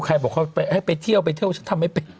ใครบอกเขาให้ไปเที่ยวไปเที่ยวฉันทำไม่เป็น